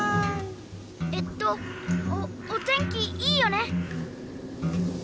えっとおおてんきいいよね！